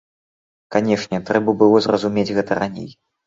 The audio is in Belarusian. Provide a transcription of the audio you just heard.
Канешне, трэба было зразумець гэта раней.